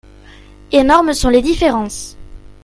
Énormes sont les différences.